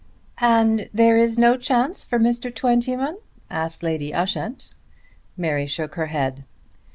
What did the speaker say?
"And there is no chance for Mr. Twentyman?" asked Lady Ushant. Mary shook her head.